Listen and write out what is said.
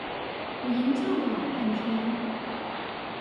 我研究了老半天